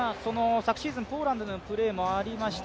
昨シーズン、ポーランドでのプレーもありました。